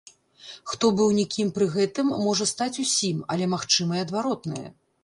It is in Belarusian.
Хто быў нікім пры гэтым можа стаць усім, але магчыма і адваротнае.